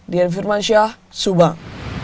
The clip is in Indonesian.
di infirmansyah subang